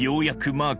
マーク！